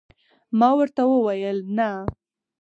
ما ورته وویل: نه.